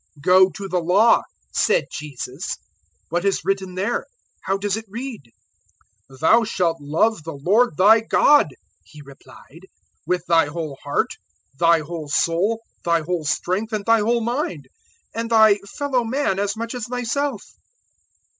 010:026 "Go to the Law," said Jesus; "what is written there? how does it read?" 010:027 "`Thou shalt love the Lord thy God,'" he replied, "`with thy whole heart, thy whole soul, thy whole strength, and thy whole mind; and thy fellow man as much as thyself.'"